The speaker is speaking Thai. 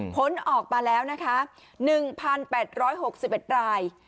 ผลออกมาแล้วนะคะ๑๘๖๑ราย